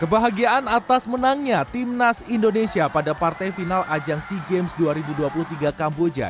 kebahagiaan atas menangnya timnas indonesia pada partai final ajang sea games dua ribu dua puluh tiga kamboja